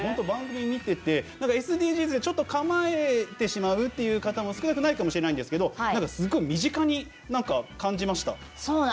番組を見ていてＳＤＧｓでちょっと構えてしまうって方も少なくないかもしれないんですけどすごい身近に感じました。